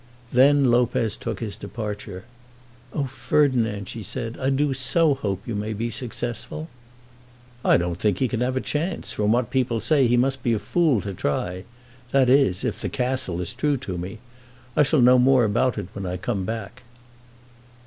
Then Lopez took his departure. "Oh, Ferdinand," she said, "I do so hope you may be successful." "I don't think he can have a chance. From what people say, he must be a fool to try. That is, if the Castle is true to me. I shall know more about it when I come back."